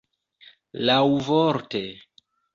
laŭvorte